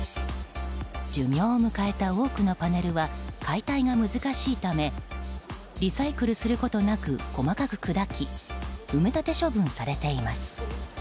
寿命を迎えた多くのパネルは解体が難しいためリサイクルすることなく細かく砕き埋め立て処分されています。